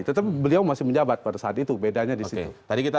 tetap beliau masih menjabat pada saat itu bedanya di situ